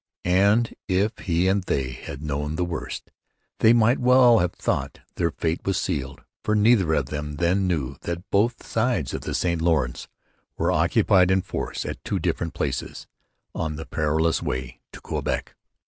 And if he and they had known the worst they might well have thought their fate was sealed; for neither of them then knew that both sides of the St Lawrence were occupied in force at two different places on the perilous way to Quebec.